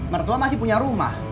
mertua masih punya rumah